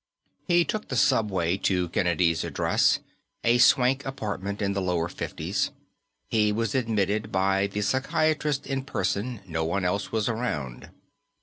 He took the subway to Kennedy's address, a swank apartment in the lower Fifties. He was admitted by the psychiatrist in person; no one else was around.